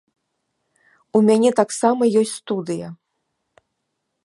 У мяне таксама ёсць студыя.